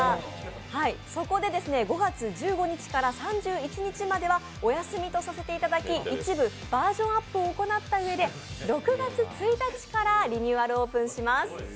そこで５月１５日から３１日まではお休みとさせていただき一部バージョンアップを行った上で６月１日からリニューアルオープンします。